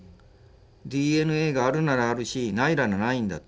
「ＤＮＡがあるならあるしないならないんだ」と。